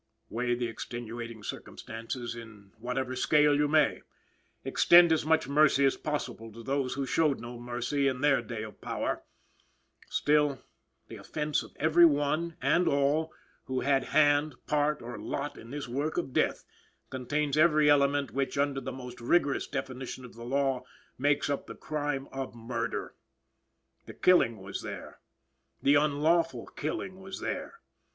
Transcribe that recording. Weigh the extenuating circumstances in whatever scale you may; extend as much mercy as possible to those who showed no mercy in their day of power still, the offense of every one and all, who had hand, part or lot in this work of death, contains every element which, under the most rigorous definition of the law, makes up the Crime of Murder. The killing was there. The unlawful killing was there.